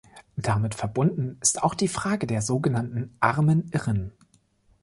Damit verbunden ist auch die Frage der sogenannten Armen Irren.